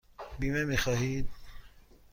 بیمه می خواهید؟